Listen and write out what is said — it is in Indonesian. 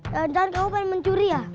jangan kamu pengen mencuri ya